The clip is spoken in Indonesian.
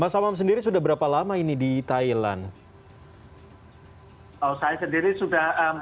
mas amam sendiri sudah berapa lama ini di thailand